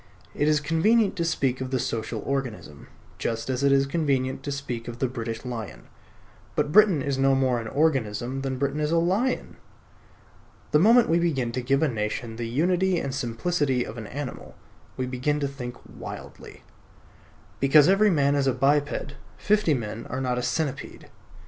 It is convenient to speak of the Social Organism, just as it is convenient to speak of the British Lion. But Britain is no more an organism than Britain is a lion. The moment we begin to give a nation the unity and simplicity of an animal, we begin to think wildly. Because every man is a biped, fifty men are not a centipede.